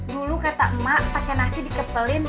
dulu kata emak pakai nasi dikepelin